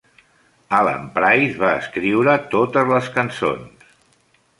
Alan Price va escriure totes les cançons.